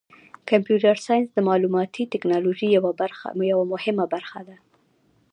کمپیوټر ساینس د معلوماتي تکنالوژۍ یوه مهمه برخه ده.